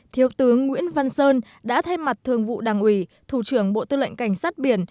thiếu tướng nguyễn văn sơn đã thay mặt thường vụ đảng ủy thủ trưởng bộ tư lệnh cảnh sát biển